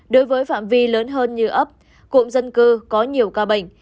đối với phạm vi lớn hơn như ấp cụm dân cư có nhiều ca bệnh